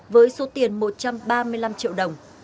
với số tiền một trăm ba mươi năm triệu đồng